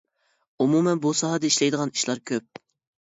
ئومۇمەن بۇ ساھەدە ئىشلەيدىغان ئىشلار كۆپ.